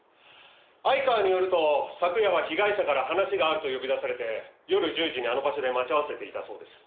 相川によると昨夜は被害者から話があると呼び出されて夜１０時にあの場所で待ち合わせていたそうです。